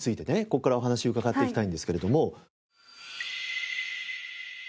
ここからお話を伺っていきたいんですけれども。